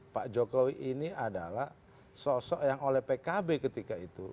pak jokowi ini adalah sosok yang oleh pkb ketika itu